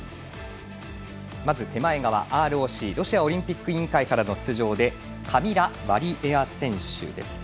まずＲＯＣ＝ロシアオリンピック委員会からの出場でカミラ・ワリエワ選手。